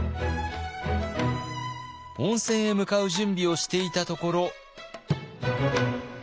温泉へ向かう準備をしていたところ。